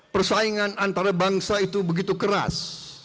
persaingan antara bangsa itu begitu keras